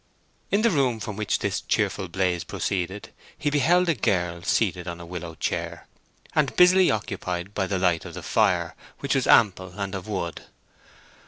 In the room from which this cheerful blaze proceeded, he beheld a girl seated on a willow chair, and busily occupied by the light of the fire, which was ample and of wood.